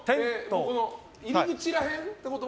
入り口ら辺ってこと？